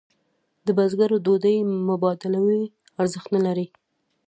د بزګر ډوډۍ مبادلوي ارزښت نه لري.